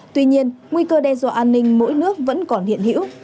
tuy nhiên nguy cơ đe dọa an ninh mỗi nước vẫn còn hiện hữu